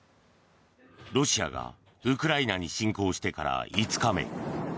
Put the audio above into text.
ロシアがウクライナに侵攻してから５日目。